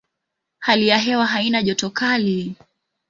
Hali ya hewa haina joto kali.